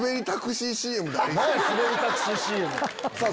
何や⁉スベりタクシーＣＭって。